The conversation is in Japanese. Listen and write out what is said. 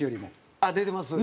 あっ出てます。